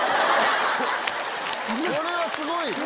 これはすごい！